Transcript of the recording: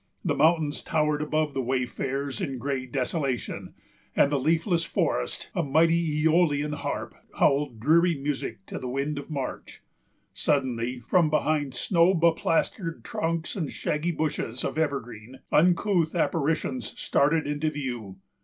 The mountains towered above the wayfarers in gray desolation; and the leafless forest, a mighty Æolian harp, howled dreary music to the wind of March. Suddenly, from behind snow beplastered trunks and shaggy bushes of evergreen, uncouth apparitions started into view.